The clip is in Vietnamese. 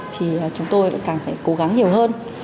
thì chúng tôi càng phải cố gắng nhiều hơn